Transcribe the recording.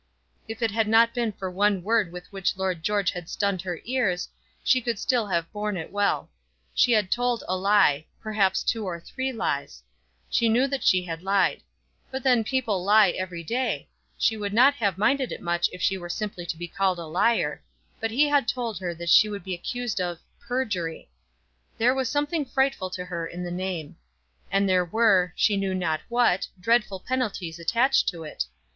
If it had not been for one word with which Lord George had stunned her ears, she could still have borne it well. She had told a lie; perhaps two or three lies. She knew that she had lied. But then people lie every day. She would not have minded it much if she were simply to be called a liar. But he had told her that she would be accused of perjury. There was something frightful to her in the name. And there were, she knew not what, dreadful penalties attached to it.